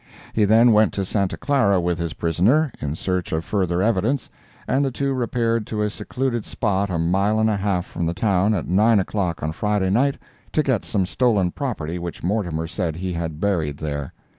He then went to Santa Clara with his prisoner, in search of further evidence, and the two repaired to a secluded spot a mile and a half from the town, at nine o'clock on Friday night, to get some stolen property which Mortimer said he had buried there.